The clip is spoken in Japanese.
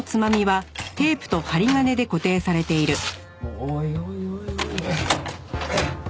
おいおいおいおい。